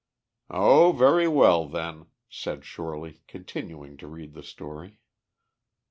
"Oh, very well, then," said Shorely, continuing to read the story.